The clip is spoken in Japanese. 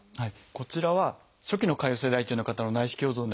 こちらは初期の潰瘍性大腸炎の方の内視鏡像になります。